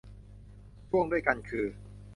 ช่วงด้วยกันคือ